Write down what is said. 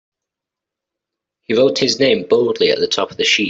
He wrote his name boldly at the top of the sheet.